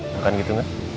bukan gitu mbak